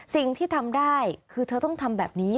สิ่งที่ทำได้คือเธอต้องทำแบบนี้